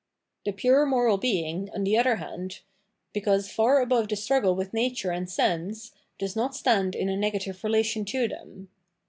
Tbe pure moral being, on tbe other hand, because far above the struggle with nature and sense, does not stand in a negative relation to them.